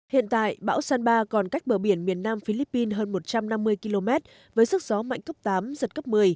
hiện tại bão san ba còn cách bờ biển miền nam philippines hơn một trăm năm mươi km với sức gió mạnh cấp tám giật cấp một mươi